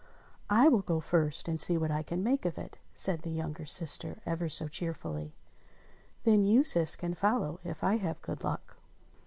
"I will go first and see what I can make of it," said the younger sister, ever so cheerfully, *'then you, sis, can follow if I have good luck."